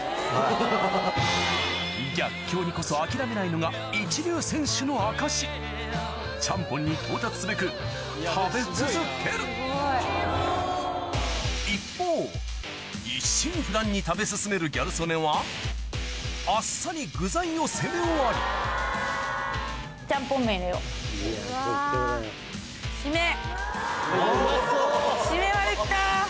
のが一流選手の証しちゃんぽんに到達すべく食べ続ける一方一心不乱に食べ進めるギャル曽根はあっさり具材を攻め終わりうわうまそう。